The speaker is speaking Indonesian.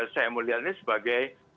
saya melihatnya sebagai